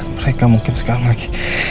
mereka mungkin sekarang lagi